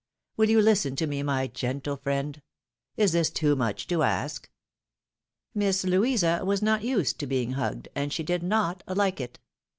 Will you listen to me, my gentle friend ? Is this too much to ask ?" Miss Louisa was not used to being hugged, and she did not hke it.